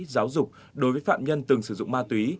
giáo dục đối với phạm nhân từng sử dụng ma túy